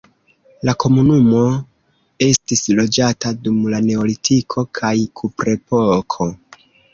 La komunumo estis loĝata dum la neolitiko kaj kuprepoko.